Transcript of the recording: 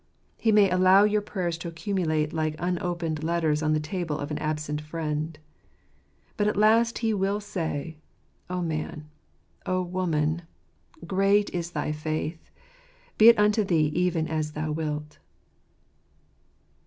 He may allow your prayers to accumulate like unopened letters on the table of an absent friend. But at last He will say, "O man, O woman, great is thy faith : be it unto thee even as thou wilt."